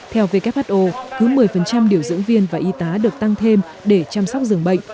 theo who cứ một mươi điều dưỡng viên và y tá được tăng thêm để chăm sóc dường bệnh